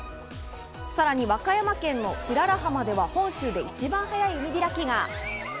さらに和歌山県の白良浜では本州で一番早い海開きが。